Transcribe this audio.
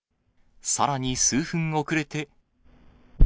さらに数分遅れて。